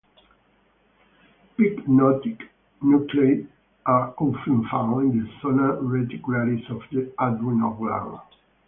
Pyknotic nuclei are often found in the zona reticularis of the adrenal gland.